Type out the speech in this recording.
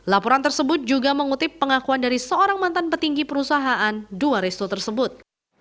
laporan tersebut juga mengutip pengakuan dari seorang mantan petinggi perusahaan dua resto tersebut